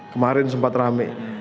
kemarin sempat rame